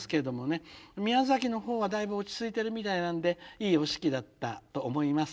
宮崎の方はだいぶ落ち着いてるみたいなんでいいお式だったと思います。